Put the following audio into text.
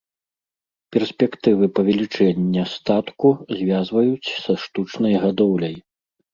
Перспектывы павелічэння статку звязваюць са штучнай гадоўляй.